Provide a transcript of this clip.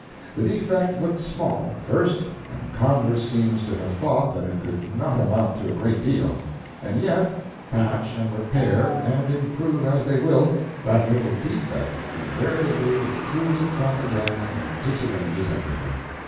The defect looked small at first, and Congress seems to have thought that it could not amount to a great deal—and yet, patch and repair and improve as they will, that little defect invariably obtrudes itself again and disarranges everything.